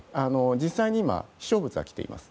実際に今、飛翔物は来ています。